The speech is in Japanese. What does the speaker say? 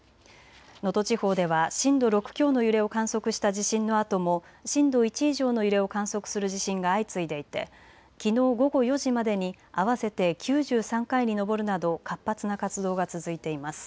能登地方では震度６強の揺れを観測した地震のあとも震度１以上の揺れを観測する地震が相次いでいてきのう午後４時までに合わせて９３回に上るなど活発な活動が続いています。